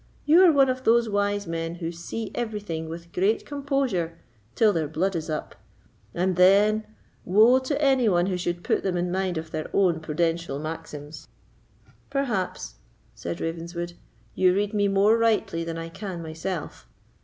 You are one of those wise men who see everything with great composure till their blood is up, and then—woe to any one who should put them in mind of their own prudential maxims!" "Perhaps," said Ravenswood, "you read me more rightly than I can myself.